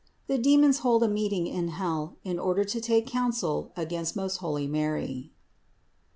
THE DEMONS HOLD A MEETING IN HELL IN ORDER TO TAKE COUNSEL AGAINST MOST HOLY MARY.